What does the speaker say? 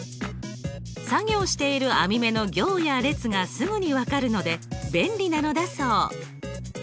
作業している網み目の行や列がすぐに分かるので便利なのだそう。